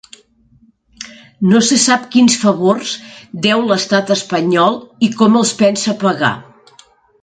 No se sap quins ‘favors’ deu l’estat espanyol i com els pensa pagar.